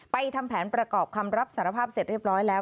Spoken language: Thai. ทำแผนประกอบคำรับสารภาพเสร็จเรียบร้อยแล้ว